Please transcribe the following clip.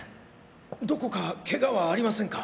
どこかケガはありませんか？